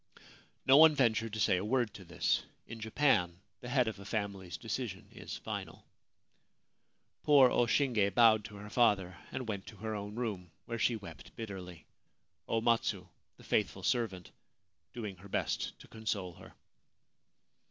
No one ventured to say a word to this. In Japan the head of a family's decision is final. Poor O Shinge bowed to her father, and went to her own room, where she wept bitterly ; O Matsu, the faithful servant, doing her best to console her.